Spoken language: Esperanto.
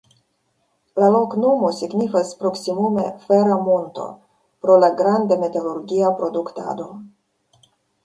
La loknomo signifas proksimume "fera monto" pro la granda metalurgia produktado.